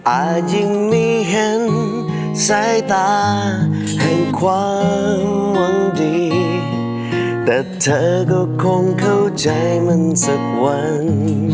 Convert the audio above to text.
อาจยิ่งไม่เห็นสายตาให้ความหวังดีแต่เธอก็คงเข้าใจมันสักวัน